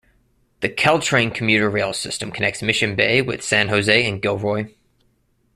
The Caltrain commuter rail system connects Mission Bay with San Jose and Gilroy.